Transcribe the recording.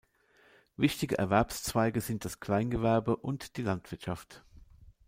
Wichtige Erwerbszweige sind das Kleingewerbe und die Landwirtschaft.